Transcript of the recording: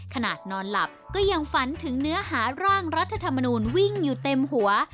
นอนหลับก็ยังฝันถึงเนื้อหาร่างรัฐธรรมนูลวิ่งอยู่เต็มหัว